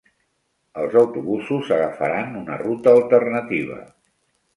Els autobusos agafaran una ruta alternativa.